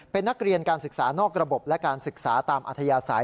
เป็นนักเรียนการศึกษานอกระบบและการศึกษาตามอัธยาศัย